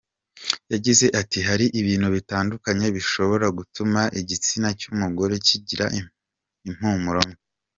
Yagize ati “Hari ibintu bitandukanye bishobora gutuma igitsina cy’umugore kigira impumuro mbi.